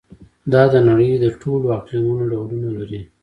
دا د نړۍ د ټولو اقلیمونو ډولونه لري.